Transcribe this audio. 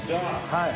はい。